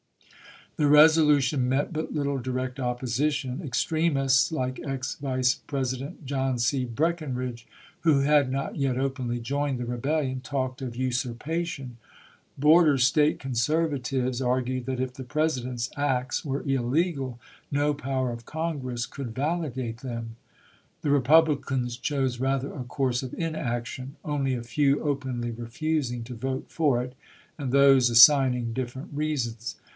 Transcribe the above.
The resolution met but little direct opposition. Extremists like ex Vice President John C. Breckin ridge, who had not yet openly joined the rebellion, talked of usurpation; border State conservatives argued that if the President's acts were illegal no power of Congress could validate them. The Re publicans chose rather a course of inaction ; only a few openly refusing to vote for it, and those assign ing different reasons.